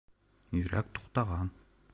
Йөрәк туҡтаған.